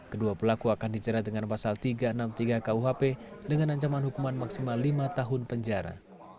kedua pelaku akan dicerat dengan pasal tiga ratus enam puluh tiga kuhp dengan ancaman hukuman maksimal lima tahun penjara